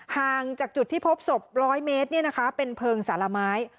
ห่างจากจุดที่พบศพ๑๐๐เมตรเป็นเพลิงสารไม้